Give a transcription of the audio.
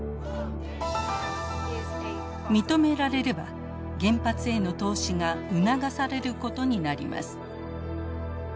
認められれば原発への投資が促されることになります。